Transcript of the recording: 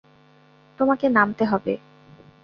তোমাকে নামতে হবে।